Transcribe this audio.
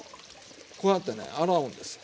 こうやってね洗うんですよ。